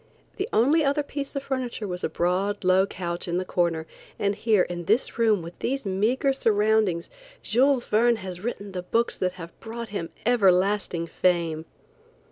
The only other piece of furniture was a broad, low couch in the corner, and here in this room with these meagre surroundings, Jules Verne has written the books that have brought him everlasting fame.